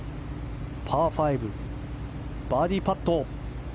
パー５、バーディーパット。